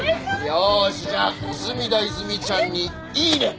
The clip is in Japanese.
よしじゃあ泉田いずみちゃんに「いいね！」